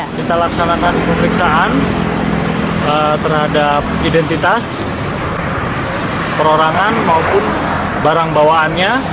kita laksanakan pemeriksaan terhadap identitas perorangan maupun barang bawaannya